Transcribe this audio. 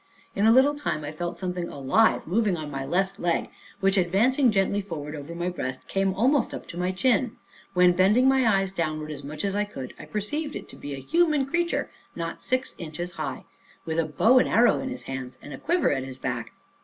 In a little time I felt something alive moving on my left leg, which advancing gently forward, over my breast, came almost up to my chin; when bending my eyes downward as much as I could, I perceived it to be a human creature not six inches high, with a bow and arrow in his hands, and a quiver at his back.